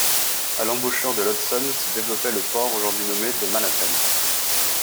À l'embouchure de l'Hudson se développait le port, aujourd'hui nommé, The Manhattans.